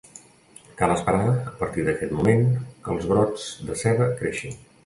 Cal esperar, a partir d'aquest moment, que els brots de ceba creixin.